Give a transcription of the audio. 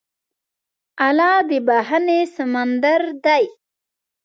الله د بښنې سمندر دی.